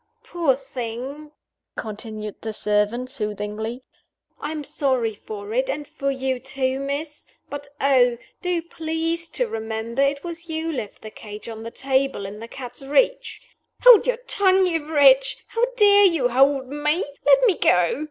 "Poor thing," continued the servant, soothingly, "I'm sorry for it, and for you too, Miss! But, oh! do please to remember it was you left the cage on the table, in the cat's reach " "Hold your tongue, you wretch! How dare you hold me? let me go!"